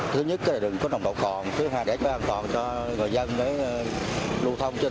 thứ nhất là đừng có nồng độ cồn thứ hai là để an toàn cho người dân lưu thông trên